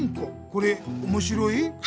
これおもしろい？